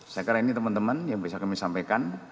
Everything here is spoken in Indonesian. saya kira ini teman teman yang bisa kami sampaikan